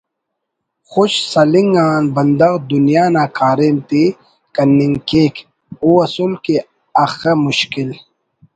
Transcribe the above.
خوش سلنگ آن بندغ دنیا نا کاریم تے کننگ کیک او اسُل کہ اخہ مشکل